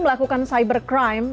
melakukan cyber crime